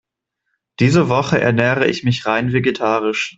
Diese Woche ernähre ich mich rein vegetarisch.